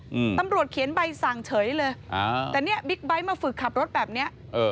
อืมตำรวจเขียนใบสั่งเฉยเลยอ่าแต่เนี้ยบิ๊กไบท์มาฝึกขับรถแบบเนี้ยเออ